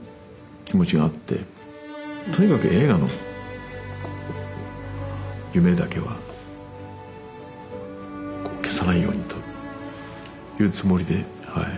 とにかく映画の夢だけはこう消さないようにというつもりではい